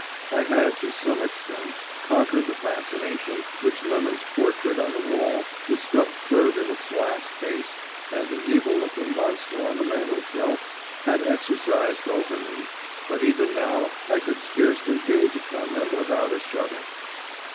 I had to some extent conquered the fascination which Lemon's portrait on the wall, the stuffed bird in its glass case, and the evil looking monster on the mantelshelf had exercised over me, but even now I could scarcely gaze upon them without a shudder.